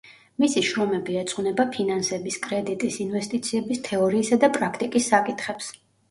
მისი შრომები ეძღვნება ფინანსების, კრედიტის, ინვესტიციების თეორიისა და პრაქტიკის საკითხებს.